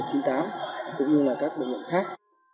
cũng như các bệnh viện khác